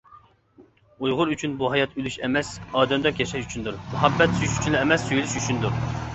ئۇيغۇر ئۈچۈن بۇ ھايات ئۆلۈش ئەمەس ئادەمدەك ياشاش ئۈچۈندۇر، مۇھەببەت سۆيۈش ئۈچۈنلا ئەمەس سۆيۈلۈش ئۈچۈندۇر.